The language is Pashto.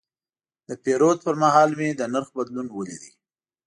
د پیرود پر مهال مې د نرخ بدلون ولید.